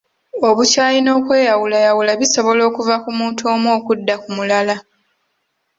Obukyayi n'okweyawulayawula bisobola okuva ku muntu omu okudda ku mulala.